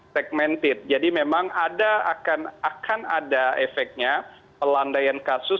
segmented jadi memang akan ada efeknya pelandaian kasus